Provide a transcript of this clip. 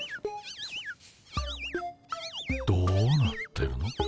どうなってるの？